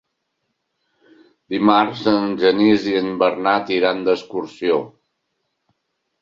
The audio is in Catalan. Dimarts en Genís i en Bernat iran d'excursió.